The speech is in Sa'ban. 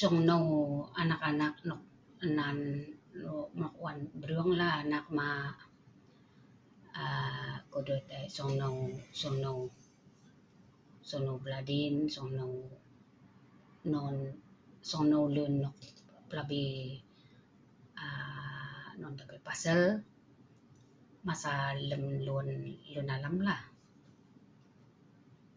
Sung hneu anak-anak nok nan nok mak wan brung lah, anak mak aa kudut sung hneu, sung hneu.. beladin, sung hneu non, sung hneu lun nok plabi (aa..non tabei) pasel masa lem lun alam lah.